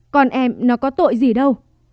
con em nó có tội gì đâu